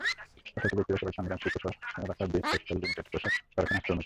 হতাহত ব্যক্তিরা সবাই চান্দগাঁও শিল্প এলাকার বেইজ টেক্সটাইল লিমিটেড পোশাক কারখানার শ্রমিক।